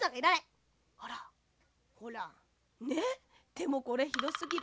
でもこれひどすぎる。